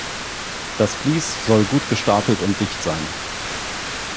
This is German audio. Das Vlies soll gut gestapelt und dicht sein.